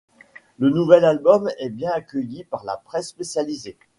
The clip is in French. Le nouvel album est bien accueilli par la presse spécialisée.